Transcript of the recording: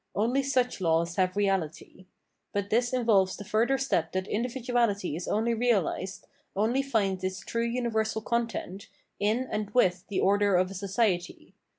Only such laws have reality. But this involves the further step that in dividuality is only realised, only finds its true universal content, in and with the order of a society.